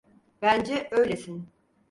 Bence öylesin.